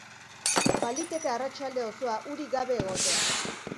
Baliteke arratsalde osoa urik gabe egotea.